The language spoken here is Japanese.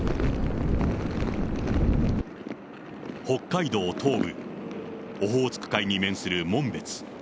北海道東部、オホーツク海に面する紋別。